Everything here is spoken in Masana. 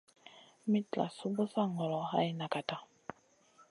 Mitlasou busa ŋolo hay nagata.